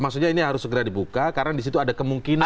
maksudnya ini harus segera dibuka karena disitu ada kemungkinan